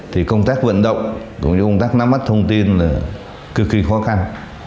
thì công tác vận động cũng như công tác nắm mắt thông tin là cực kỳ khó khăn